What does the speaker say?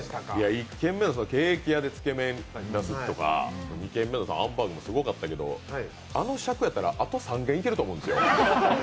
１軒目のケーキ屋でつけ麺出すとか２軒目のハンバーグもすごかったけど、あの尺やったら、あと３軒行けると思うんですよ。